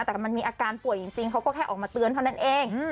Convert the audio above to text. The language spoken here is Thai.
แต่มันมีอาการป่วยจริงเขาก็แค่ออกมาเตือนเท่านั้นเอง